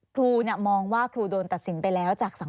ครูมองว่าครูโดนตัดสินไปแล้วจากสังค